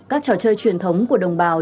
các trò chơi truyền thống của đồng bào